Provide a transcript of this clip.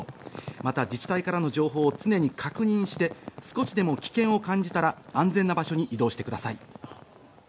また自治体からの情報を常に確認して少しでも危険を感じたら安全な場所に移動してください。